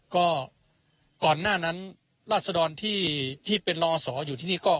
ก็ก่อนหน้านั้นราศดรที่เป็นรอสออยู่ที่นี่ก็